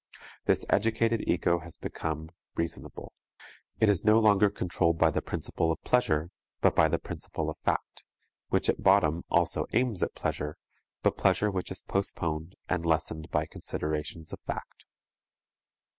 This educated ego has become "reasonable." It is no longer controlled by the principle of pleasure, but by the principle of fact, which at bottom also aims at pleasure, but pleasure which is postponed and lessened by considerations of fact.